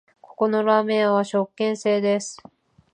ここのラーメン屋は食券制です